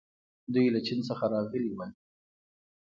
دوی له چین څخه راغلي وو